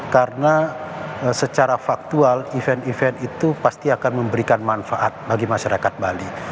karena secara faktual event event itu pasti akan memberikan manfaat bagi masyarakat bali